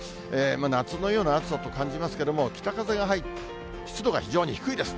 夏のような暑さと感じますけれども、北風が入って湿度が非常に低いです。